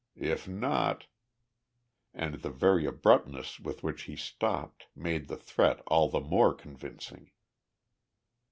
If not " and the very abruptness with which he stopped made the threat all the more convincing.